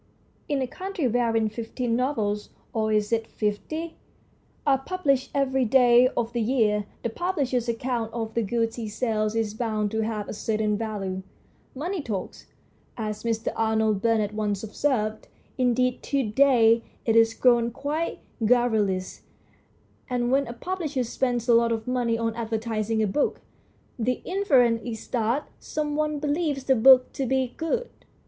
In a country wherein fifteen novels or is it fifty ? are published every day of the year, the publisher's account of the goods he sells is bound to have a certain value. Money talks, as Mr. Arnold Bennett once observed indeed to day it is grown quite garrulous and when a publisher spends a lot of money on advertising a book, the inference is that some one believes the book to be good.